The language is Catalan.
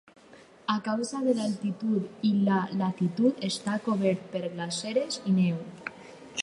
A causa de l'altitud i la latitud està cobert per glaceres i neu.